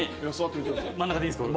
真ん中でいいんすか？